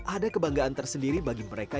ada kebanggaan tersendiri bagi mereka